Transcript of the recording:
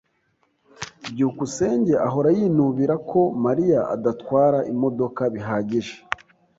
byukusenge ahora yinubira ko Mariya adatwara imodoka bihagije.